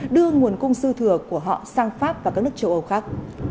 đưa nguồn cung dư thừa của họ sang pháp và các nước châu âu khác